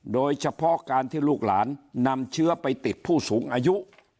โดยเฉพาะการที่ลูกหลานนำเชื้อไปติดผู้สูงอายุ